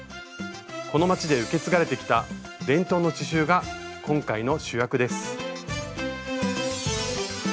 この街で受け継がれてきた伝統の刺しゅうが今回の主役です。